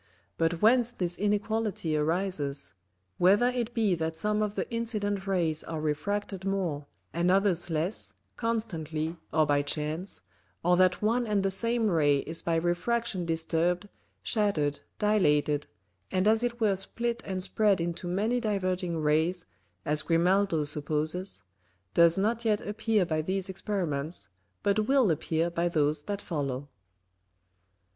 But whence this inequality arises, whether it be that some of the incident Rays are refracted more, and others less, constantly, or by chance, or that one and the same Ray is by Refraction disturbed, shatter'd, dilated, and as it were split and spread into many diverging Rays, as Grimaldo supposes, does not yet appear by these Experiments, but will appear by those that follow.